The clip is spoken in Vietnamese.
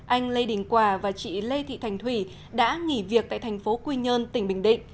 anh lê đình quà và chị lê thị thành thủy đã nghỉ việc tại thành phố quy nhơn tỉnh bình định